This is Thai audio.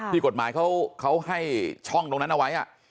ที่กฎหมายเขาให้ช่องตรงนั้นเอาไว้